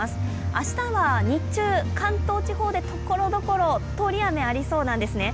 明日は日中、関東地方で所々、通り雨がありそうなんですね。